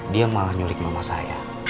dia malah nyulik mama saya